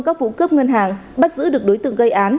các vụ cướp ngân hàng bắt giữ được đối tượng gây án